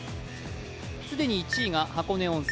既に１位が箱根温泉